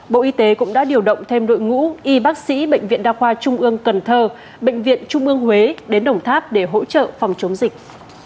bộ y tế cũng đã điều động thêm đội ngũ y bác sĩ bệnh viện đa khoa trung ương cần thơ bệnh viện trung ương huế đến đồng tháp để hỗ trợ phòng chống dịch